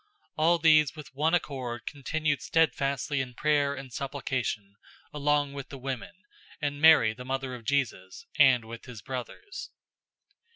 001:014 All these with one accord continued steadfastly in prayer and supplication, along with the women, and Mary the mother of Jesus, and with his brothers.